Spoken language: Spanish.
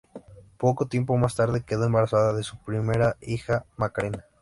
Poco tiempo más tarde, quedó embarazada de su primera hija, Macarena.